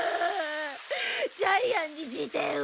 ジャイアンに事典を！